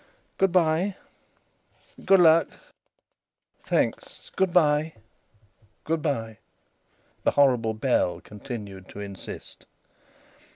"Good bye." "Good luck." "Thanks. Good bye." "Good bye." The horrible bell continued to insist.